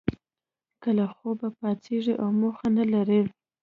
که له خوبه پاڅیږی او موخه نه لرئ